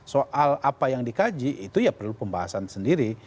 soal apa yang dikaji itu ya perlu pembahasan sendiri